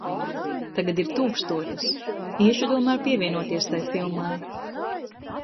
Tagad ir tūkstotis. Iešu tomēr pievienoties tai filmai.